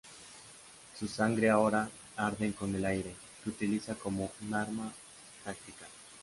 Su sangre ahora arden con el aire, que utiliza como un arma táctica.